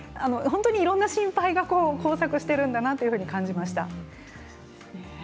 いろんな心配が交錯しているんだなと感じました。